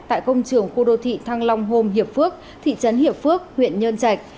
tại công trường khu đô thị thăng long hồn hiệp phước thị trấn hiệp phước huyện nhơn trạch